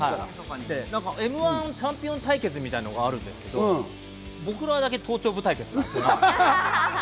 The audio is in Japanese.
М‐１チャンピオン対決みたいなのもあるんですけど、僕らだけ頭頂部対決なんですよ。